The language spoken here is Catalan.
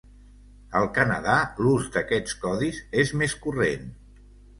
Al Canadà l'ús d'aquests codis és més corrent.